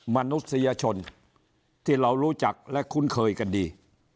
มนุษยชนที่เรารู้จักและคุ้นเคยกันดี